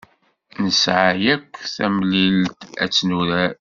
Nesɛa yakk tamlilt ad tt-nurar.